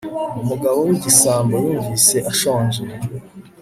umugabo w'igisambo yumvise ashonje